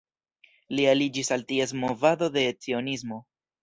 Li aliĝis al ties movado de Cionismo.